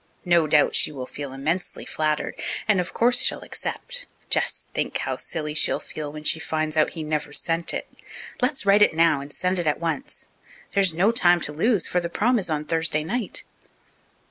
No doubt she will feel immensely flattered and, of course, she'll accept. Just think how silly she'll feel when she finds out he never sent it. Let's write it now, and send it at once. There is no time to lose, for the 'prom' is on Thursday night."